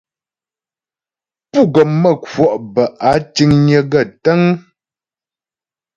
Pú́ gɔm mə́ kwɔ' bə́ áa tíŋnyə̌ gaə́ tə́ŋ.